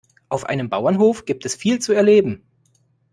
Auf einem Bauernhof gibt es viel zu erleben.